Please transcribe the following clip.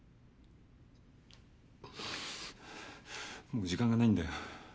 もう時間がないんだ。